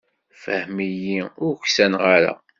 Fhem-iyi, ur uksaneɣ ara.